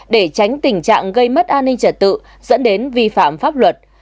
để tránh tình trạng gây mất an ninh trật tự dẫn đến vi phạm pháp luật